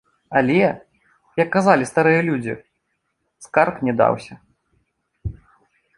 Але, як казалі старыя людзі, скарб не даўся.